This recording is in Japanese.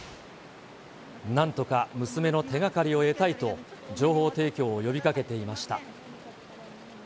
なんとか娘の手がかりを得たいと、情報提供を呼びかけていました。